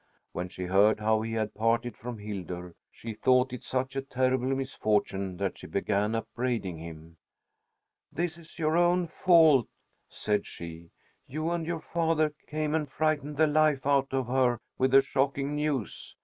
When she heard how he had parted from Hildur, she thought it such a terrible misfortune that she began upbraiding him. "This is your own fault," said she. "You and your father came and frightened the life out of her with the shocking news.